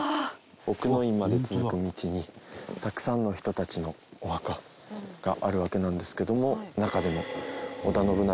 奥之院まで続く道にたくさんの人たちのお墓があるわけなんですけども中でも織田信長